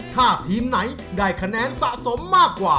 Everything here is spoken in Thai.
ถ้าทีมไหนได้คะแนนสะสมมากกว่า